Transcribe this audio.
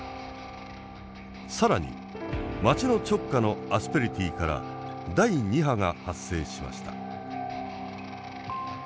更に町の直下のアスペリティから第２波が発生しました。